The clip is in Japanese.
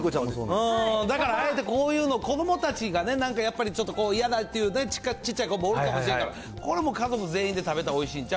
だからあえて、こういうの子どもたちがね、なんかやっぱり、ちょっと嫌だっていう、ちっちゃい子もおるかもしれんから、これも、家族全員で食べたらおいしいんちゃう？